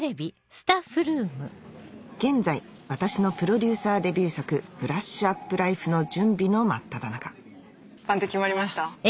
現在私のプロデューサーデビュー作『ブラッシュアップライフ』の準備の真っただ中番手決まりました？